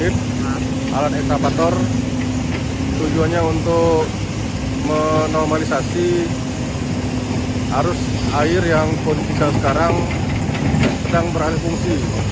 tujuan untuk menormalisasi arus air yang kondisional sekarang sedang berhasil fungsi